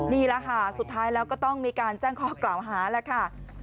นี่แหละค่ะสุดท้ายแล้วก็ต้องมีการแจ้งข้อกล่าวหาแล้วค่ะ